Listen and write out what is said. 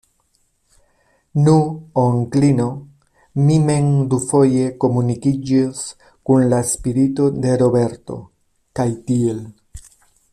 Nu, onklino, mi mem dufoje komunikiĝis kun la spirito de Roberto, kaj tiel.